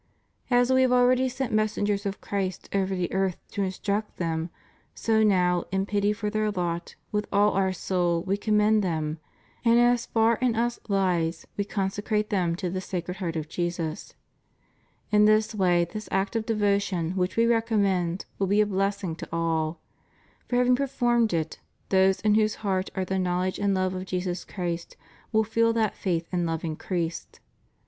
As We have already sent messengers of Christ over the earth to instruct them^ so now, in pity for their lot, with all Our soul We commend them, and as far in Us lies We consecrate them to the Sacred Heart of Jesus. In this way this act of devotion, which We recommend, will be a bless ing to all. For having performed it, those in w^hose hearts are the knowledge and love of Jesus Christ will feel that faith and love increased.